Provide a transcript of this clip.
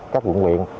các quận quyện